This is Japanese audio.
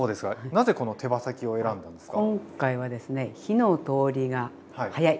なぜこの手羽先を選んだんですか？